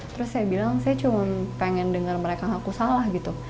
terus saya bilang saya cuma pengen dengar mereka ngaku salah gitu